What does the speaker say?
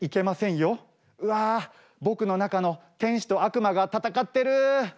うわ僕の中の天使と悪魔が戦ってる！